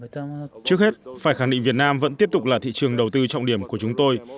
trước hết phải khẳng định việt nam vẫn tiếp tục là thị trường đầu tư trọng điểm của chúng tôi